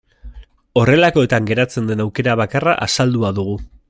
Horrelakoetan geratzen den aukera bakarra azaldua dugu.